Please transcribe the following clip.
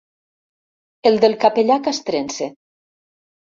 El del capellà castrense.